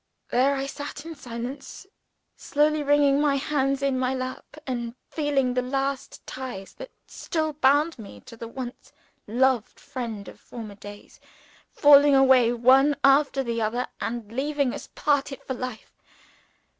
There I sat in silence; slowly wringing my hands in my lap, and feeling the last ties that still bound me to the once loved friend of former days, falling away one after the other, and leaving us parted for life.